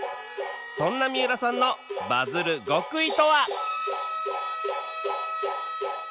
そんな三浦さんのバズる極意とは？